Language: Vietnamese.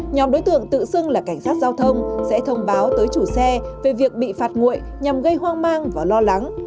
nhóm đối tượng tự xưng là cảnh sát giao thông sẽ thông báo tới chủ xe về việc bị phạt nguội nhằm gây hoang mang và lo lắng